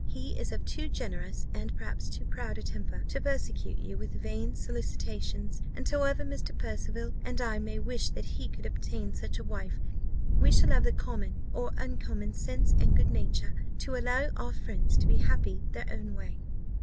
He is of too generous, and perhaps too proud a temper, to persecute you with vain solicitations; and however Mr. Percival and I may wish that he could obtain such a wife, we shall have the common, or uncommon, sense and good nature to allow our friends to be happy their own way."